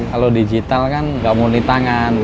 kalau digital kan tidak mempunyai tangan